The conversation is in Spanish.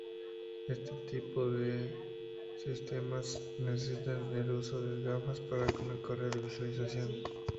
Este tipo de sistemas necesitan el uso de gafas para una correcta visualización.